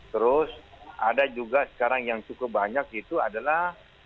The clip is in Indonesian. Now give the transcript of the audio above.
terus ada juga sekarang yang cukup banyak itu adalah